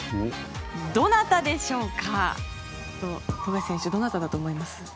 どなたでしょうか？